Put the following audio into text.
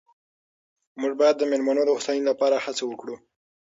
موږ باید د مېلمنو د هوساینې لپاره هڅه وکړو.